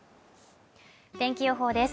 天気予報です